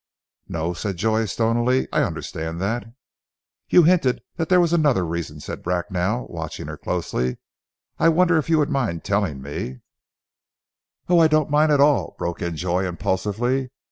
"No!" said Joy stonily. "I understand that." "You hinted that there was another reason," said Bracknell, watching her closely. "I wonder if you would mind telling me " "Oh, I don't mind at all," broke in Joy impulsively.